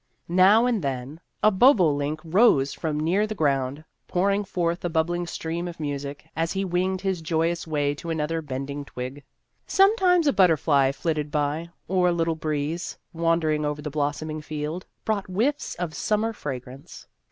Now and then a bobolink rose from near the ground, pour ing forth a bubbling stream of music, as he winged his joyous way to another bend ing twig. Sometimes a butterfly flitted by, or a little breeze, wandering over the blossoming field, brought whiffs of sum mer fragrance.